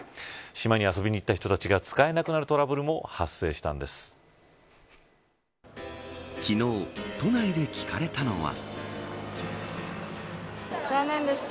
島に遊びに行った人たちが使えなくなるトラブルも昨日、都内で聞かれたのは。